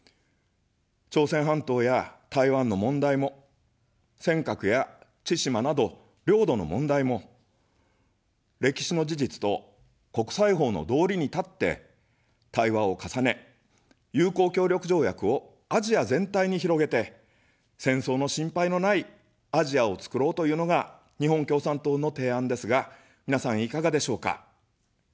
朝鮮半島や台湾の問題も、尖閣や千島など領土の問題も、歴史の事実と国際法の道理に立って、対話を重ね、友好協力条約をアジア全体に広げて、戦争の心配のないアジアをつくろうというのが日本共産党の提案ですが、みなさんいかがでしょうか。